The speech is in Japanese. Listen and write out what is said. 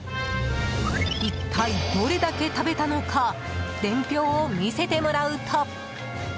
一体どれだけ食べたのか伝票を見せてもらうと。